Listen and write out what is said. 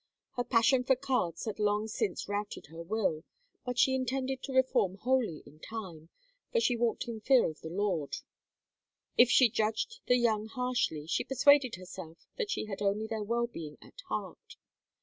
Her passion for cards had long since routed her will; but she intended to reform wholly in time, for she walked in fear of the Lord. If she judged the young harshly, she persuaded herself that she had only their well being at heart.